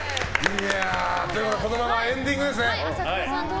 このままエンディングですね。